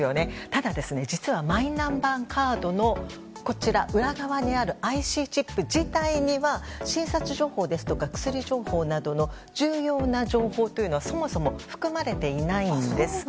ただ実はマイナンバーカードの裏側にあるＩＣチップ自体には診察情報や薬情報などの重要な情報というのはそもそも含まれていないんです。